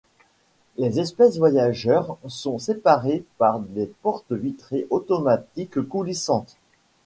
Les espaces voyageurs sont séparés par des portes vitrées automatiques coulissantes.